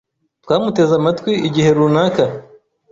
Twamuteze amatwi igihe runaka.